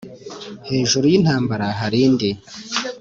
hejuru y'intambara harindi